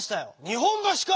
日本橋か！